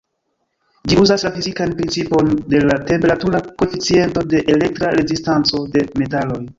Ĝi uzas la fizikan principon de la temperatura koeficiento de elektra rezistanco de metaloj.